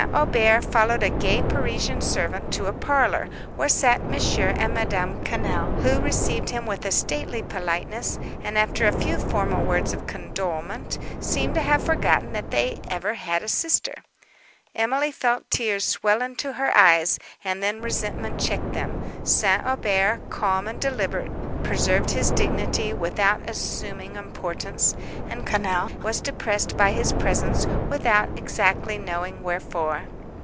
Aubert followed a gay Parisian servant to a parlour, where sat Mons. and Madame Quesnel, who received him with a stately politeness, and, after a few formal words of condolement, seemed to have forgotten that they ever had a sister. Emily felt tears swell into her eyes, and then resentment checked them. St. Aubert, calm and deliberate, preserved his dignity without assuming importance, and Quesnel was depressed by his presence without exactly knowing wherefore.